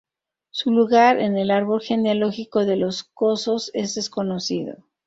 Su lugar en el árbol genealógico de los Cosos es desconocido.